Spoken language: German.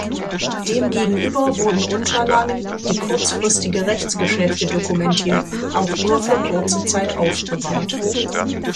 Dem gegenüber wurden Unterlagen, die kurzfristige Rechtsgeschäfte dokumentierten, auch nur für kurze Zeit aufbewahrt.